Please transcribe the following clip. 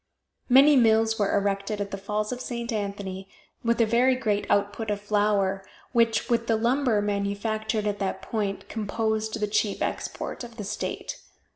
Many mills were erected at the Falls of St. Anthony, with a very great output of flour, which, with the lumber manufactured at that point, composed the chief export of the state.